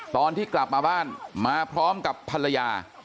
ตอนที่กลับมาบ้านมาพร้อมกับภรรยา